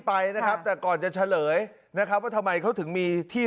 ไปนะครับแต่ก่อนจะเฉลยนะครับว่าทำไมเขาถึงมีที่